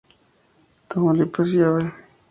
Tamaulipas y Av.